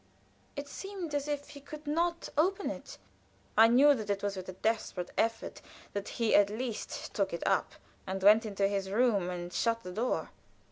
It seemed as if he could not open it. I knew that it was with a desperate effort that he at last took it up, and went into his room and shut the door.